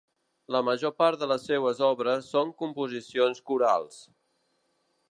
La major part de les seues obres són composicions corals.